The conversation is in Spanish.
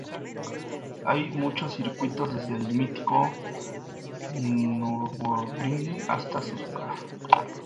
Hay muchos circuitos, desde el mítico Nürburgring hasta Suzuka.